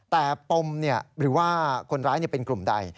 แต่ปมหรือว่าคนร้ายเป็นกลุ่มใด